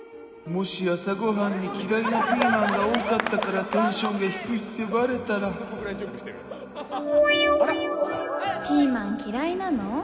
もし朝ご飯に嫌いなピーマンが入ってたからテンションが低いってバレたらピーマン嫌いなの？